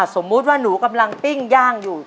สมมุติว่าหนูกำลังปิ้งย่างอยู่